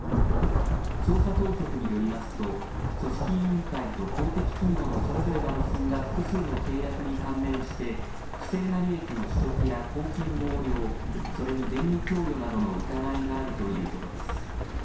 捜査当局によりますと組織委員会と公的企業のそれぞれが結んだ複数の契約に関連して不正な利益の取得や公金横領、それに便宜供与などの疑いがあるということです。